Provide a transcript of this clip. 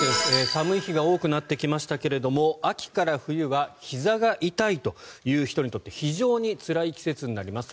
寒い日が多くなってきましたけれども秋から冬はひざが痛いという人にとって非常につらい季節になります。